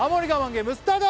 ゲームスタート